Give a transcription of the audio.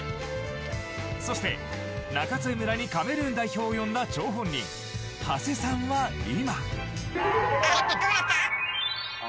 そして、中津江村にカメルーン代表を呼んだ張本人長谷さんは今。